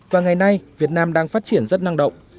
và ngày nay việt nam đang phát triển rất năng động